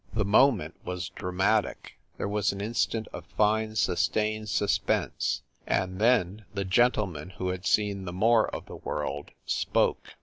The moment was dramatic ; there was an instant of fine sustained suspense, and then the gentleman who had seen the more of the world spoke.